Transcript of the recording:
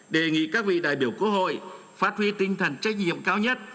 đề nghị các vị đại biểu quốc hội phát huy tinh thần trách nhiệm cao nhất